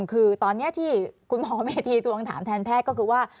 คือตอนนี้ที่คุณหมอเมธีตวงถามแทนแพทย์ก็คือว่า